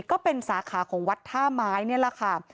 ก็เป็นสาขาของวัดท่าไม้นี่แหละค่ะ